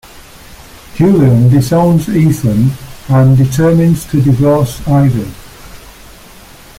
Julian disowns Ethan and determines to divorce Ivy.